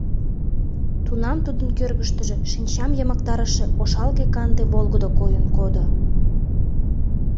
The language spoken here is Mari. Тунам тудын кӧргыштыжӧ шинчам йымыктарыше ошалге-канде волгыдо койын кодо.